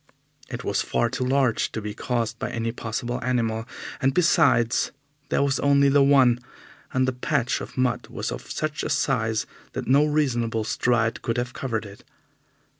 It was far too large to be caused by any possible animal, and besides, there was only the one, and the patch of mud was of such a size that no reasonable stride could have covered it.